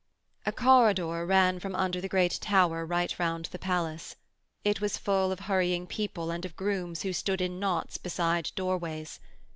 A corridor ran from under the great tower right round the palace. It was full of hurrying people and of grooms who stood in knots beside doorways.